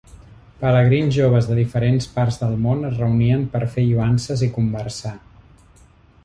Pelegrins joves de diferents parts del món es reunien per fer lloances i conversar.